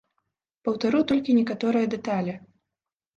Паўтару толькі некаторыя дэталі.